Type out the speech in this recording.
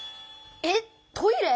えっトイレ！？